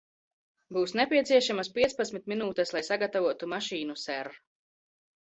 Būs nepieciešamas piecpadsmit minūtes, lai sagatavotu mašīnu, ser.